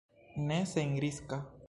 Ne senriska!